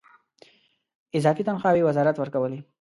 اضافي تنخواوې وزارت ورکولې.